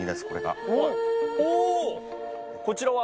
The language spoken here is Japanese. こちらは？